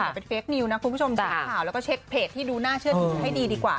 แต่ว่าเป็นเฟคนิวนะคุณผู้ชมช่วยเผ่าแล้วก็เช็กเพจที่ดูน่าเชื่อมือให้ดีดีกว่า